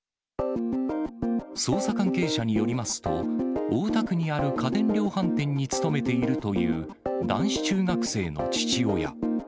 捜査関係者によりますと、大田区にある家電量販店に勤めているという男子中学生の父親。